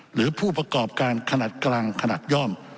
หรือผู้ประกอบการขนาดกลางขนาดย่อม